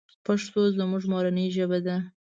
پښتو زموږ مورنۍ ژبه ده .